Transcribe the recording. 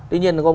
tuy nhiên là